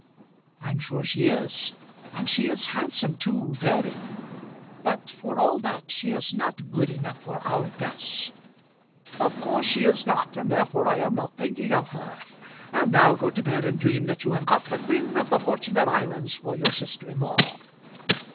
"I'm sure she is, and she is handsome too, very; but for all that she is not good enough for our Gus." "Of course she is not, and therefore I am not thinking of her. And now go to bed and dream that you have got the Queen of the Fortunate Islands for your sister in law."